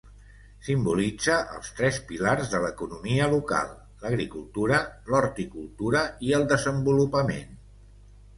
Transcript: Simbolitza els tres pilars de l'economia local: l'agricultura, l'horticultura i el desenvolupament.